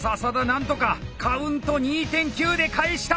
なんとかカウント２．９で返した！